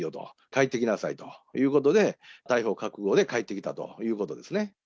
帰ってきなさいということで、逮捕覚悟で帰ってきたということですよね。